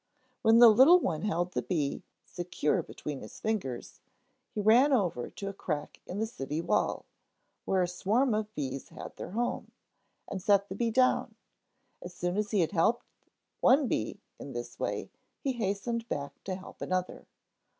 When the little one held the bee secure between his fingers, he ran over to a crack in the city wall, where a swarm of bees had their home, and set the bee down. As soon as he had helped one bee in this way, he hastened back to help another.